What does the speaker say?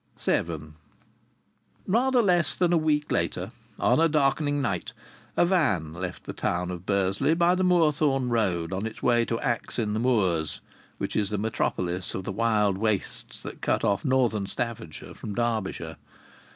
VII Rather less than a week later, on a darkening night, a van left the town of Bursley by the Moorthorne Road on its way to Axe in the Moors, which is the metropolis of the wild wastes that cut off northern Staffordshire from Derbyshire.